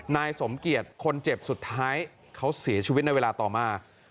นายสมเกียจคนเจ็บสุดท้ายเขาเสียชีวิตในเวลาต่อมา